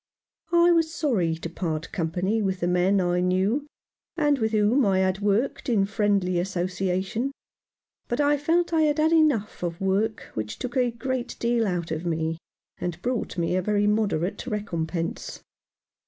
I was sorry to part company with the men I knew, and with whom I had worked in friendly association ; but I felt I had had enough of work which took a great deal out of me, and brought me a very moderate recompense.